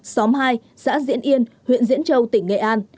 xóm hai xã diễn yên huyện diễn châu tỉnh nghệ an